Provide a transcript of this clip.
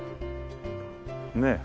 ねえ。